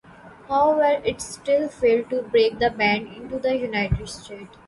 However, it still failed to break the band into the United States.